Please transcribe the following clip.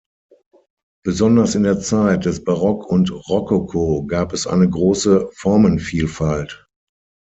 Besonders in der Zeit des Barock und Rokoko gab es eine große Formenvielfalt.